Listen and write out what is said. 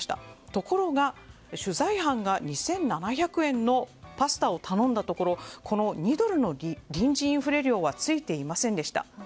ところが、取材班が２７００円のパスタを頼んだところこの２ドルの臨時インフレ料はついていませんでした。